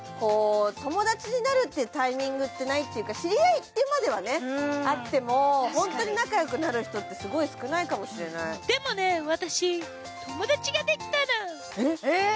友達になるっていうタイミングってないっていうか知り合いっていうまではねあっても本当に仲良くなる人ってすごい少ないかもしれないでもね私えっ！